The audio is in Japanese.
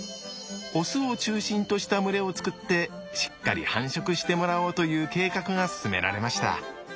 オスを中心とした群れを作ってしっかり繁殖してもらおうという計画が進められました。